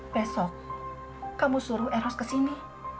besok kamu suruh erros kesini